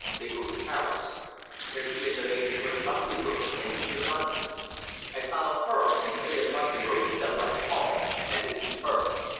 They go to Paris. Then she and the laidees go to Luxemburg, and he to London. I follow her, and stay in Luxemburg to sell my shawls, and to see her.